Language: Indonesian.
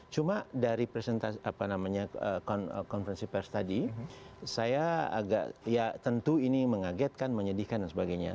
cuma dari presentasi apa namanya konferensi pers tadi saya agak ya tentu ini mengagetkan menyedihkan dan sebagainya